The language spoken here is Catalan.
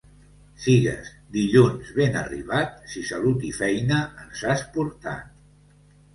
Sigues, dilluns, ben arribat, si salut i feina ens has portat.